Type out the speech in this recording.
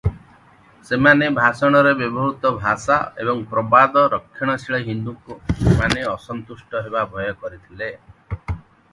ସେମାନେ ଭାଷଣରେ ବ୍ୟବହୃତ ଭାଷା ଏବଂ ପ୍ରବାଦରେ ରକ୍ଷଣଶୀଳ ହିନ୍ଦୁମାନେ ଅସନ୍ତୁଷ୍ଟ ହେବା ଭୟ କରିଥିଲେ ।